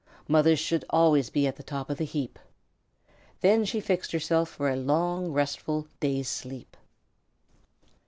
Mothers should always be at the top of the heap." Then she fixed herself for a long, restful day's sleep.